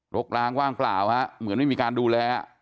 กล้างว่างเปล่าฮะเหมือนไม่มีการดูแล